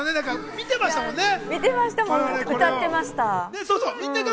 見てました、歌ってました。